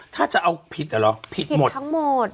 ถ้าจะเอาผิดหรอผิดหมด